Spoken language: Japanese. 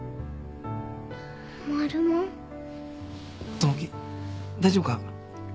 友樹大丈夫か？